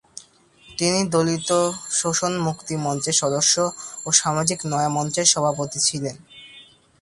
তিনি দলিত শোষণ মুক্তি মঞ্চের সদস্য ও সামাজিক নয়া মঞ্চের সভাপতি ছিলেন।